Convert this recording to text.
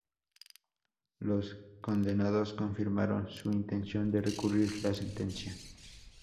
Los condenados confirmaron su intención de recurrir la sentencia.